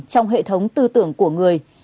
trong hệ thống tư tưởng của người